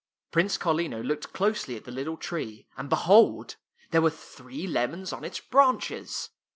Prince Carlino looked closely at the little tree, and behold ! there were three lemons on its branches.